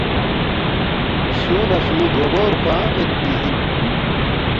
سُو نہ سہ گوبور کھوانگ میدپی اِن